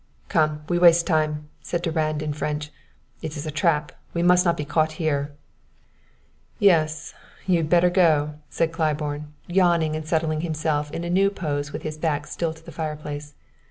"Come; we waste time," said Durand in French. "It is a trap. We must not be caught here!" "Yes; you'd better go," said Claiborne, yawning and settling himself in a new pose with his back still to the fireplace.